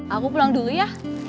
aku pulang dulu ya